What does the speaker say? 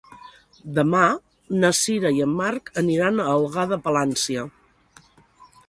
Demà na Sira i en Marc aniran a Algar de Palància.